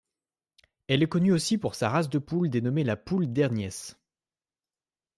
Elle est connue aussi pour sa race de poule dénommée la Poule d'Hergnies.